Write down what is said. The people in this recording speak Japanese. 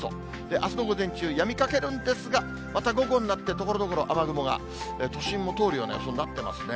あすの午前中、やみかけるんですが、また午後になって、ところどころ雨雲が、都心も通るような予想になってますね。